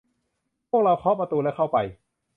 พวกเราเคาะประตู และเข้าไป